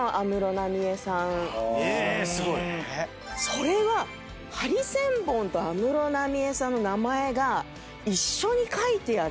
それはハリセンボンと安室奈美恵さんの名前が一緒に書いてあって。